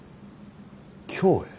京へ。